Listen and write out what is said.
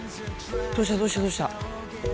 どうしたどうしたどうした？